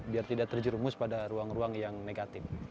biar tidak terjerumus pada ruang ruang yang negatif